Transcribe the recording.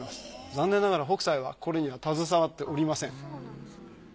残念ながら北斎はこれには携わっておりません。